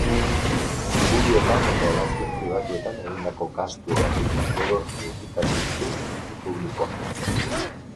Puruetan eta hegazkin pribatuetan egindako gastuagatik gogor kritikatu ditu iritzi publikoak.